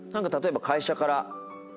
例えば会社から。